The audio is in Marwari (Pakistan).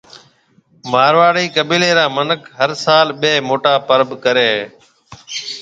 مارواڙِي قبيلَي را مِنک هر سال ٻي موٽا پَرٻ ڪريَ هيَ۔